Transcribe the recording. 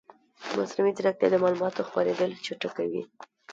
مصنوعي ځیرکتیا د معلوماتو خپرېدل چټکوي.